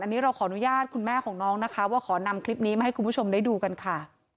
อันนี้เราขออนุญาตคุณแม่ของน้องนะคะว่าขอนำคลิปนี้มาให้คุณผู้ชมได้ดูกันค่ะ